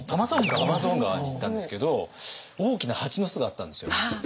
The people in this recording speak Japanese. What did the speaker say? アマゾン川に行ったんですけど大きな蜂の巣があったんですよ。